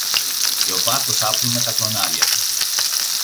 και ο βάτος άπλωνε τα κλωνάρια του